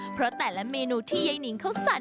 เพราะแต่ละเมนูที่ยายนิงเขาสั่น